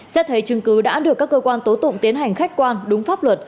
xét thấy chứng cứ đã được các cơ quan tố tụng tiến hành khách quan đúng pháp luật